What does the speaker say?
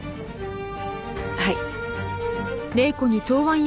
はい。